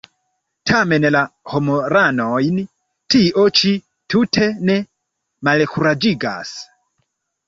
Tamen la homaranojn tio ĉi tute ne malkuraĝigas.